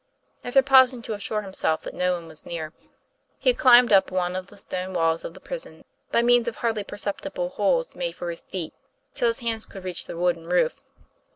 After pausing to assure him self that no one was near, he climbed up one of the stone walls of the prison, by means of hardly per ceptible holes made for his feet, till his hands could reach the wooden roof.